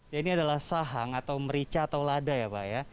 ya ini adalah sahang atau merica atau lada ya pak ya